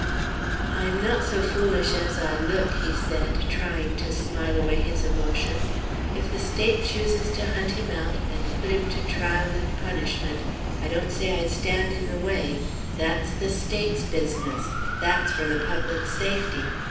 "I'm not so foolish as I look," he said, trying to smile away his emotion. "If the State chooses to hunt him out and put him to trial and punishment, I don't say I'd stand in the way; that's the State's business; that's for the public safety.